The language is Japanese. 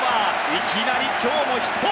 いきなり今日もヒット。